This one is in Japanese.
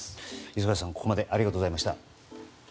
磯貝さん、ここまでありがとうございました。